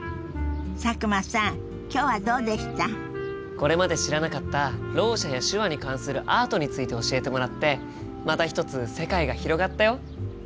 これまで知らなかったろう者や手話に関するアートについて教えてもらってまた一つ世界が広がったよ。